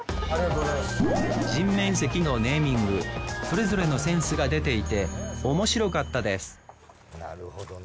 人面石のネーミングそれぞれのセンスが出ていておもしろかったですなるほどね。